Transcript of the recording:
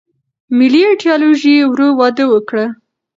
ملي ایدیالوژي ورو وده وکړه.